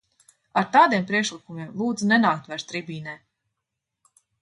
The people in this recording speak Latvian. Ar tādiem priekšlikumiem lūdzu nenākt vairs tribīnē.